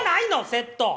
セット。